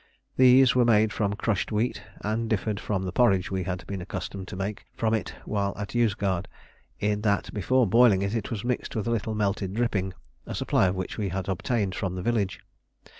These were made from crushed wheat, and differed from the porridge we had been accustomed to make from it while at Yozgad, in that before boiling it was mixed with a little melted dripping, a supply of which we had obtained from the village.